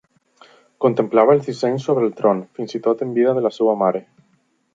Contemplava els dissenys sobre el tron, fins i tot en vida de la seva mare.